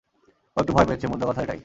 ও একটু ভয় পেয়েছে, মোদ্দাকথা এটাই।